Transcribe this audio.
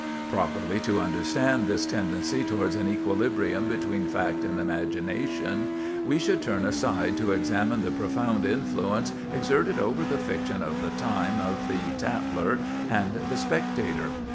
Properly to understand this tendency towards an equilibrium between fact and imagination, we should turn aside to examine the profound influence exerted over the fiction of the time of the "Tatler" and the "Spectator."